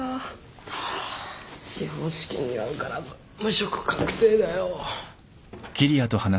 あぁ司法試験には受からず無職確定だよ。